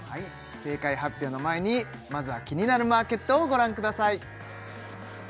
正解発表の前にまずは「キニナルマーケット」をご覧ください